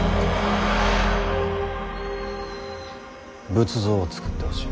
仏像を作ってほしい。